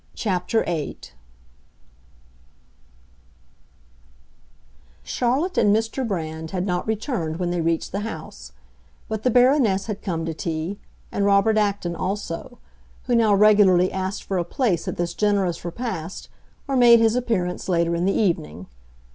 CHAPTER VIII Charlotte and Mr. Brand had not returned when they reached the house; but the Baroness had come to tea, and Robert Acton also, who now regularly asked for a place at this generous repast or made his appearance later in the evening.